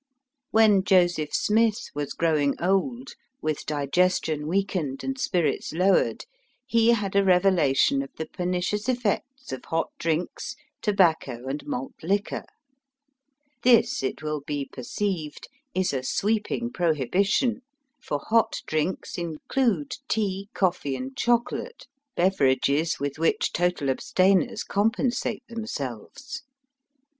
When Joseph Smith was growing old, with digestion weak ened and spirits lowered, he had a revelation of the pernicious effects of hot drinks, tobacco, and malt liquor. This, it will be perceived, is a sweeping prohibition, for hot drinks include tea, coffee, and chocolate, beverages with which Digitized by VjOOQIC THE CITT OF THE SAINTS. 103 total abstainers compensate themselves.